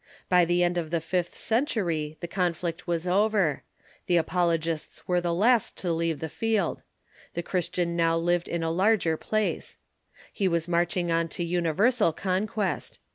By the end of the fifth century the conflict was over. The apologists were the last to leave the field. The Christian now lived in a larger place. 36 THE EARLY CHURCH He was marcliing on to universal conquest.